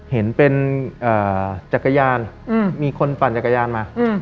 เห็นเป็นจักรยานมีคนปั่นจักรยานมา